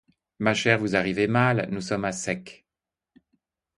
Ma chère, vous arrivez mal, nous sommes à sec.